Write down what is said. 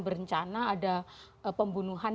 berencana ada pembunuhan